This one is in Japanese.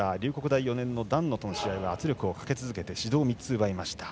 大４年の檀野との試合は圧力をかけ続けて指導３つ奪いました。